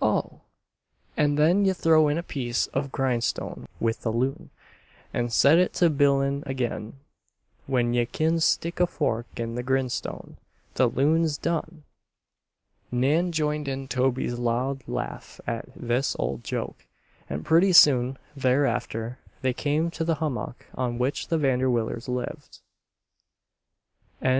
"Oh!" "An' then ye throw in a piece of grin'stone with the loon, and set it to bilin' again. When ye kin stick a fork in the grin'stone, the loon's done!" Nan joined in Toby's loud laugh at this old joke, and pretty soon thereafter they came to the hummock on which the Vanderwillers lived. Chapter XXII.